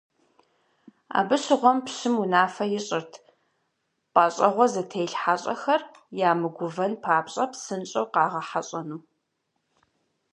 Абы щыгъуэм пщым унафэ ищӀырт - пӏащӏэгъуэ зытелъ хьэщӀэхэр ямыгувэн папщӏэ псынщӀэу къагъэхьэщӏэну.